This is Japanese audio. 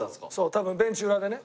多分ベンチ裏でね。